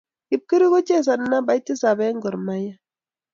Kipkirui ko chezani nambait tisap en Gor mahia